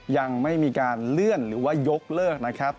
ยังไม่มีการเลื่อนหรือว่ายกเลิกนะครับ